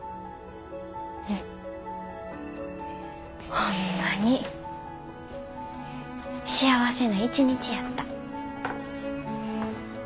ホンマに幸せな一日やった。